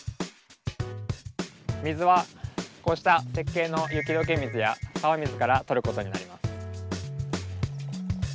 水はこうした雪渓の雪どけ水や沢水からとることになります。